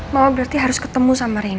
mama berarti harus ketemu sama rini